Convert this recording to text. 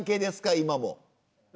今も。